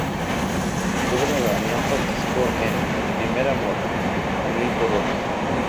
Con Pedro Damián participó en "Primer amor, a mil x hora".